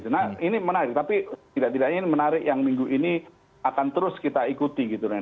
nah ini menarik tapi tidak tidaknya ini menarik yang minggu ini akan terus kita ikuti gitu kan